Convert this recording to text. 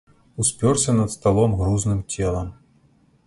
Успёрся над сталом грузным целам.